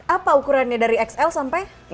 apa ukurannya dari xl sampai